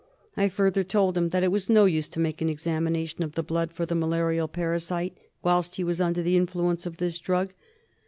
I further told him that it was no use to make an examination of the blood for the malarial parasite whilst he was under the influence of this drug.